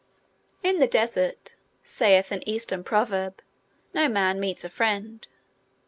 "In the desert," saith an Eastern proverb, "no man meets a friend."